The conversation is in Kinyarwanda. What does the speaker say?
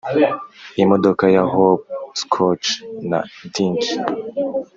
imodoka ya hopscotch na dinky.